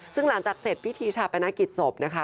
ซึ่งหลังจากเสร็จพิธีชาปนกิจศพนะคะ